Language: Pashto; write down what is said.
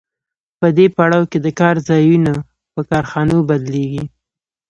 په دې پړاو کې د کار ځایونه په کارخانو بدلېږي